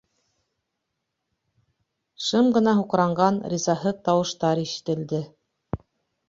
Шым ғына һуҡранған, ризаһыҙ тауыштар ишетелде.